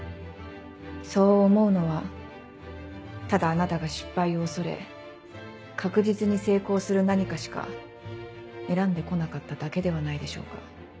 そう思うのはただあなたが失敗を恐れ確実に成功する何かしか選んでこなかっただけではないでしょうか？